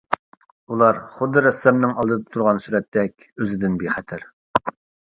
ئۇلار خۇددى رەسسامنىڭ ئالدىدا تۇرغان سۈرەتتەك ئۆزىدىن بىخەتەر.